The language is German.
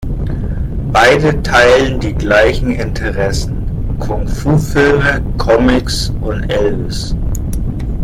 Beide teilen die gleichen Interessen: Kung-Fu-Filme, Comics und Elvis.